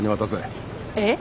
えっ？